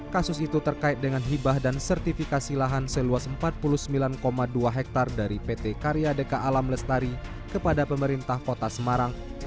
kasus itu terkait dengan hibah dan sertifikasi lahan seluas empat puluh sembilan dua hektare dari pt karya deka alam lestari kepada pemerintah kota semarang